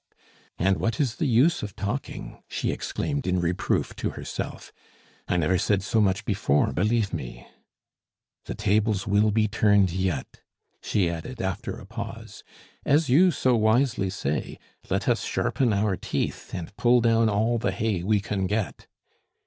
"And what is the use of talking?" she exclaimed in reproof to herself. "I never said so much before, believe me! The tables will be turned yet!" she added after a pause. "As you so wisely say, let us sharpen our teeth, and pull down all the hay we can get."